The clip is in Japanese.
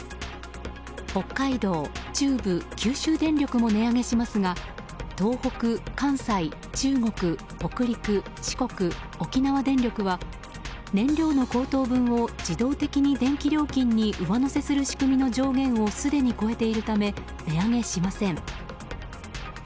北海道、中部、九州電力も値上げしますが東北、関西、中国、北陸四国、沖縄電力は燃料の高騰分を自動的に電気料金に上乗せする仕組みの上限をすでに超えているため値上げしません。